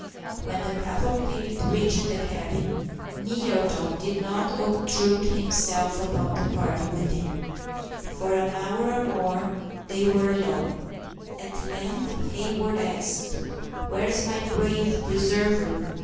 When the cavalcade reached the cabin, Nettleton did not obtrude himself upon the party within. For an hour or more they were alone. At length Hayward asked: "Where is my brave preserver?